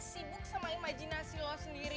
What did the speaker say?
sibuk sama imajinasi lo sendiri